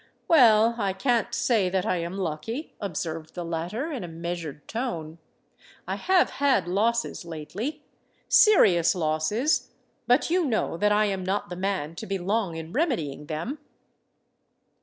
"Well—I can't say that I am lucky," observed the latter, in a measured tone. "I have had losses lately—serious losses: but you know that I am not the man to be long in remedying them."